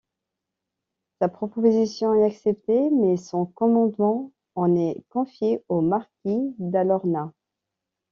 Sa proposition est acceptée, mais son commandement en est confié au marquis d'Alorna.